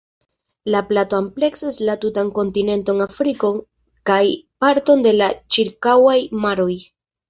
La plato ampleksas la tutan kontinenton Afriko kaj parton de la ĉirkaŭaj maroj.